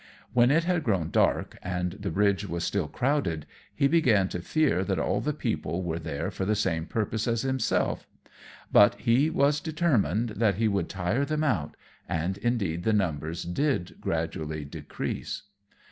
When it had grown dark, and the bridge was still crowded, he began to fear that all the people were there for the same purpose as himself; but he was determined that he would tire them out; and indeed the numbers did gradually decrease.